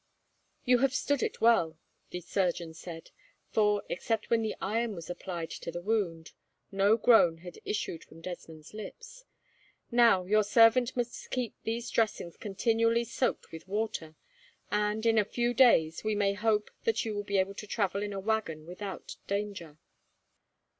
"You have stood it well," the surgeon said, for, except when the iron was applied to the wound, no groan had issued from Desmond's lips. "Now, your servant must keep these dressings continually soaked with water, and, in a few days, we may hope that you will be able to travel in a waggon without danger."